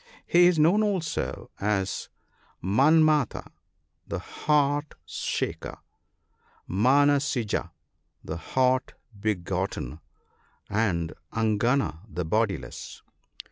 He is known, also, as Afanmatha, the heart shaker ; Manasija, the heart begotten; and Anangciy the bodiless.